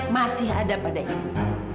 masih ada pada ibu